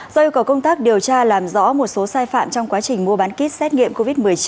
do yêu cầu công tác điều tra làm rõ một số sai phạm trong quá trình mua bán kit xét nghiệm covid một mươi chín